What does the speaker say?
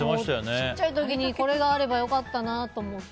ちっちゃい時にこれがあれば良かったなと思って。